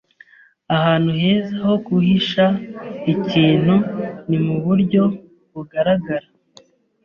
Ahantu heza ho guhisha ikintu ni muburyo bugaragara.